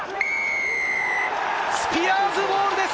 スピアーズボールです。